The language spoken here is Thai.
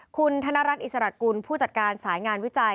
คุณธนรัฐอิสระกุลผู้จัดการสายงานวิจัย